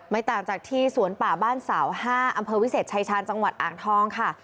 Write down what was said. ต่างจากที่สวนป่าบ้านเสา๕อำเภอวิเศษชายชาญจังหวัดอ่างทองค่ะ